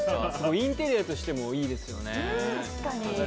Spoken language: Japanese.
インテリアとしてもいいですよね。